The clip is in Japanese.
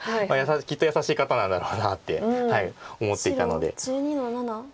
きっと優しい方なんだろうなって思っていたので。